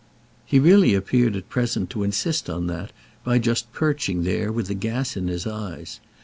He really appeared at present to insist on that by just perching there with the gas in his eyes.